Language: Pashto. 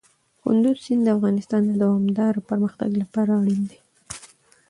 کندز سیند د افغانستان د دوامداره پرمختګ لپاره اړین دي.